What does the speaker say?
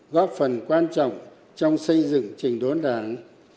góp phần quan trọng trong xây dựng trình đốn đảng